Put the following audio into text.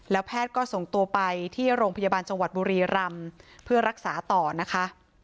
แพทย์ก็ส่งตัวไปที่โรงพยาบาลจังหวัดบุรีรำเพื่อรักษาต่อนะคะ